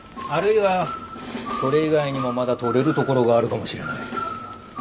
あるいはそれ以外にもまだ取れるところがあるかもしれない。